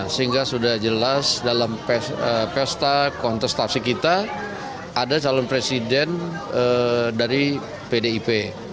sehingga sudah jelas dalam pesta kontestasi kita ada calon presiden dari pdip